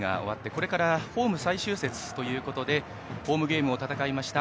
これからホーム最終節ということでホームゲームを戦いました